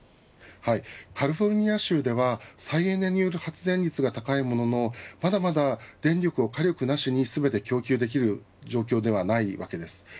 カリフォルニア州では再エネによる発電率が高いもののまだまだ、電力を火力なしに全て供給できる状況ではないわけです。